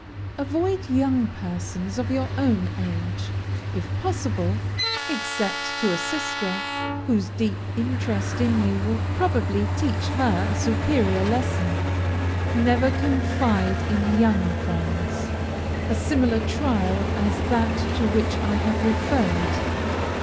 "Avoid young persons of your own age. If possible, except to a sister, whose deep interest in you will probably teach her a superior lesson, never confide in young friends, a similar trial as that to which I have referred.